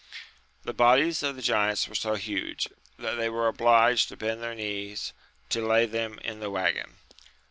The bodies of the giants were so huge, that they were obliged to bend their knees to lay them in the waggon.